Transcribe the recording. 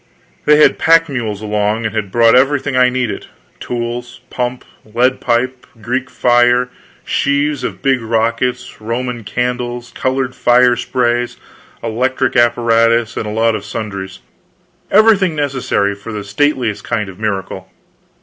They had pack mules along, and had brought everything I needed tools, pump, lead pipe, Greek fire, sheaves of big rockets, roman candles, colored fire sprays, electric apparatus, and a lot of sundries everything necessary for the stateliest kind of a miracle.